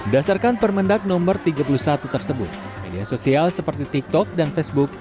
dasarkan permendak no tiga puluh satu tersebut media sosial seperti tiktok dan facebook